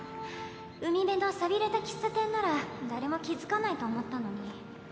海辺の寂れた喫茶店なら誰も気付かないと思ったのに。